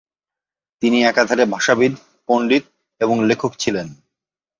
তিনি একাধারে ভাষাবিদ, পণ্ডিত এবং লেখক ছিলেন।